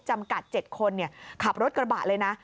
จำกัด๗คนขับรถกระบะเลยนะ